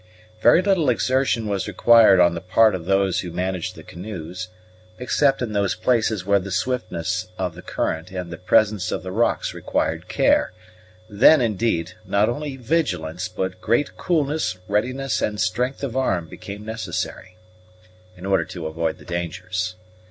Very little exertion was required on the part of those who managed the canoes, except in those places where the swiftness of the current and the presence of the rocks required care; then, indeed, not only vigilance, but great coolness, readiness, and strength of arm became necessary, in order to avoid the dangers.